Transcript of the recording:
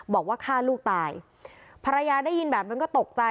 บอกว่าฆ่าลูกตายภรรยาได้ยินแบบนั้นก็ตกใจ